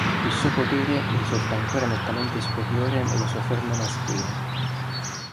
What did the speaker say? Il suo potere risulta ancora nettamente superiore nella sua forma maschile.